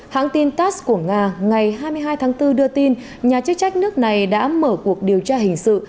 hãng tin tass của nga ngày hai mươi hai tháng bốn đưa tin nhà chức trách nước này đã mở cuộc điều tra hình sự